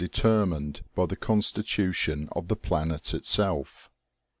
determined by the constitution of the planet itself.